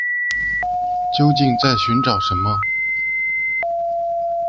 究竟在寻找什么